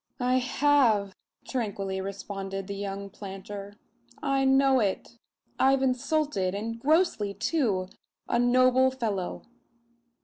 "I have," tranquilly responded the young planter. "I know it. I've insulted and grossly too a noble fellow."